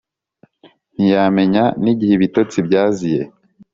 ntiyamenya nigihe ibitotsi byaziye.